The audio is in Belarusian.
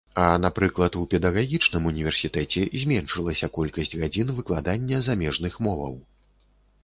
А, напрыклад, у педагагічным універсітэце зменшылася колькасць гадзін выкладання замежных моваў.